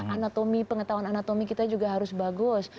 anatomi pengetahuan anatomi kita juga harus bagus